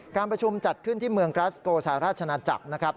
การประชุมจัดขึ้นที่เมืองกราสโกสหราชนาจักรนะครับ